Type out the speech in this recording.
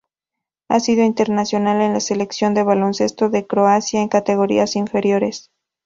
Ha sido internacional con la Selección de baloncesto de Croacia en categorías inferiores.